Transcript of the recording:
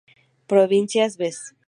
Provincia Bs.